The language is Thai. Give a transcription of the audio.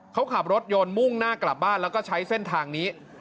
เขาขับรถยนต์มุ่งหน้ากลับบ้านแล้วก็ใช้เส้นทางนี้